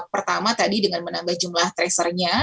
pertama tadi dengan menambah jumlah tracernya